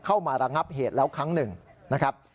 ระงับเหตุแล้วครั้งหนึ่งนะครับ